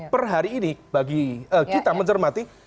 per hari ini bagi kita mencermati